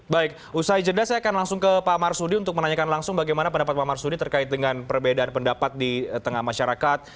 baik usai jeda saya akan langsung ke pak marsudi untuk menanyakan langsung bagaimana pendapat pak marsudi terkait dengan perbedaan pendapat di tengah masyarakat